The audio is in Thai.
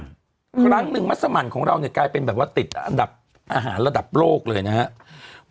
ครั้งหนึ่งมัสมันของเราเนี่ยกลายเป็นแบบว่าติดอันดับอาหารระดับโลกเลยนะครับ